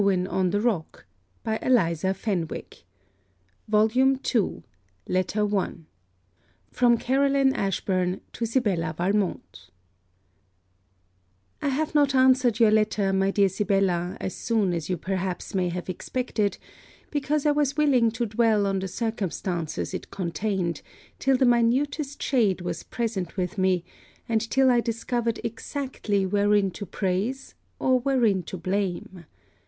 END OF THE FIRST VOLUME VOLUME II LETTER I FROM CAROLINE ASHBURN TO SIBELLA VALMONT I have not answered your letter, my dear Sibella, as soon as you perhaps may have expected, because I was willing to dwell on the circumstances it contained, till the minutest shade was present with me, and till I discovered exactly wherein to praise, or wherein to blame.